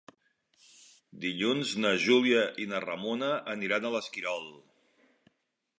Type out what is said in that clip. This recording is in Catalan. Dilluns na Júlia i na Ramona aniran a l'Esquirol.